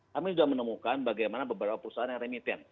kami sudah menemukan bagaimana beberapa perusahaan yang remiten